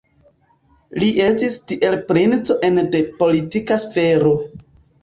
Li estis tiele princo ene de politika sfero.